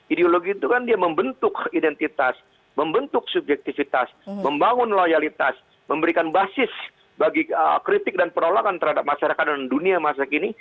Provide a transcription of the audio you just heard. ideologi itu kan dia membentuk identitas membentuk subjektivitas membangun loyalitas memberikan basis bagi kritik dan penolakan terhadap masyarakat dan dunia masa kini